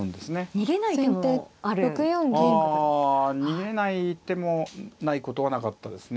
あ逃げない手もないことはなかったですね。